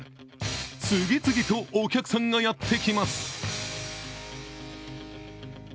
次々とお客さんがやってきます。